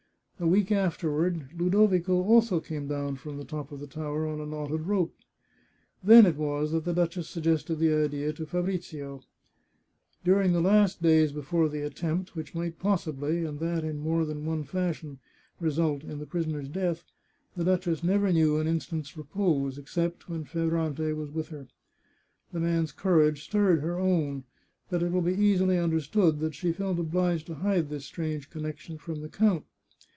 A week afterward Ludovico also came down from the top of the tower on a knotted rope. Then it was that the duchess suggested the idea to Fabrizio. During the last days before the attempt, which might possibly, and that in more than one fashion, result in the prisoner's death, the duchess never knew an instant's repose, except when Ferrante was with her. The man's courage stirred her own, but it will be easily understood that she felt obliged to hide this strange connection from the count.